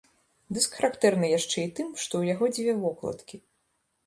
Дыск характэрны яшчэ і тым, што ў яго дзве вокладкі.